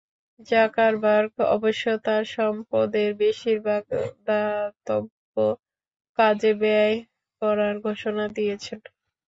Zuckerberg অবশ্য তাঁর সম্পদের বেশির ভাগ দাতব্য কাজে ব্যয় করার ঘোষণা দিয়েছেন।